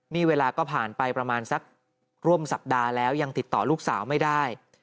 นี่เวลาก็ผ่านไปประมาณสักร่วมสัปดาห์แล้วยังติดต่อลูกสาวไม่ได้